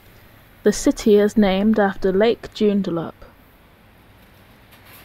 The city is named after Lake Joondalup.